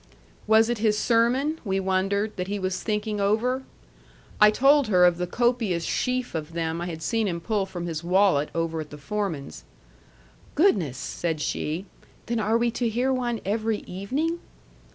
Was it his sermon, we wondered, that he was thinking over? I told her of the copious sheaf of them I had seen him pull from his wallet over at the foreman's. "Goodness!" said she. "Then are we to hear one every evening?"